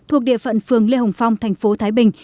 thuộc địa phận phường lê hồng phong thành phố thái bình